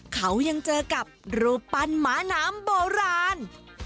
เขายังเจอกับรูปปั้นหมาน้ำโบราณ